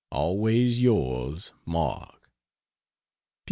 Always Yours, MARK.